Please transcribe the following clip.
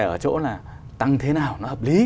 ở chỗ là tăng thế nào nó hợp lý